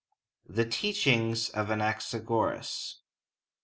THE TEACHINGS OF ANAXAGORAS.